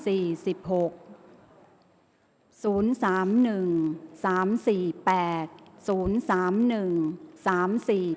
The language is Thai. เอาระวัลที่๕ครั้งที่๔๖